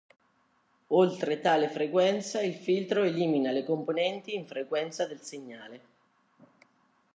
Oltre tale frequenza il filtro elimina le componenti in frequenza del segnale.